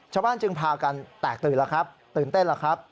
ชาวบ้านจึงพากันแตกตื่นแล้วครับตื่นเต้นแล้วครับ